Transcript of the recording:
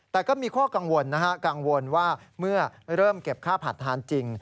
แต่ก็มีข้อกังวลนะฮะกังวลว่าเมื่อเริ่มเก็บค่าผัดทานจริง